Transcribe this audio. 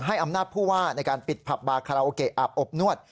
อำนาจผู้ว่าในการปิดผับบาคาราโอเกะอาบอบนวด